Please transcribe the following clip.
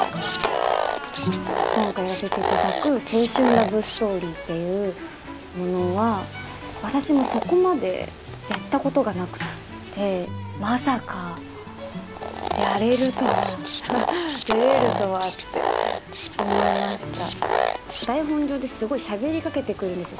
今回やらせていただく青春ラブストーリーっていうものは私もそこまでやったことがなくってまさかやれるとは出れるとはって思いました台本上ですごいしゃべりかけてくるんですよ